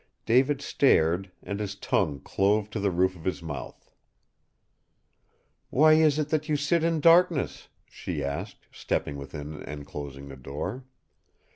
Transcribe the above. David stared, and his tongue clove to the roof of his mouth. "Why is it that you sit in darkness?" she asked, stepping within and closing the door.